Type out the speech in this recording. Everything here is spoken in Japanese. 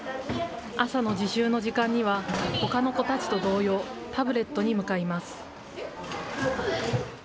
朝の自習の時間には、ほかの子たちと同様、タブレットに向かいます。